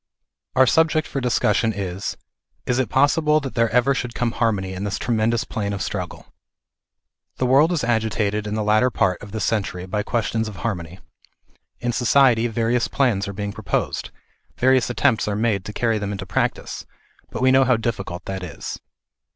Our subject for discussion is, is it possible that there ever should come harmony in this tremendous plane of struggle ? The world is agitated in the latter part of this century by questions of harmony ; in society, various plans are being proposed, various attempts are made to carry them into practice, but we know how difficult that is.